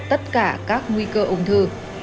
tất cả các nguy cơ ung thư